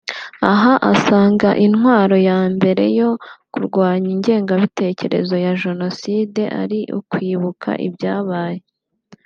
aho asanga intwaro ya mbere yo kurwanya ingengabitekerezo ya Jenoside ari ukwibuka ibyabaye